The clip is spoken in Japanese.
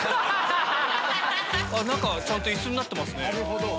中ちゃんとイスになってますね。